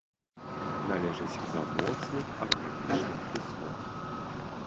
Належыць да моцных арганічных кіслот.